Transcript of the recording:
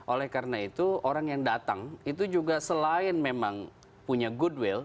oleh karena itu orang yang datang itu juga selain memang punya goodwill